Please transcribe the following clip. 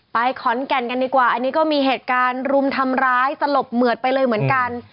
ขอนแก่นกันดีกว่าอันนี้ก็มีเหตุการณ์รุมทำร้ายสลบเหมือดไปเลยเหมือนกัน